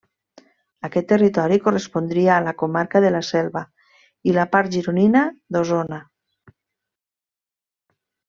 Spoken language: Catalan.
Aquest territori correspondria a la comarca de la Selva i la part gironina d'Osona.